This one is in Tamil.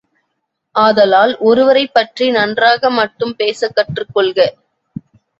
ஆதலால், ஒருவரைப்பற்றி நன்றாக மட்டும் பேசக் கற்றுக் கொள்க!